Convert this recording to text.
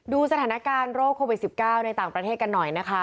ดูสถานการณ์โรคโควิด๑๙ในต่างประเทศกันหน่อยนะคะ